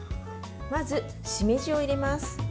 まず、しめじを入れます。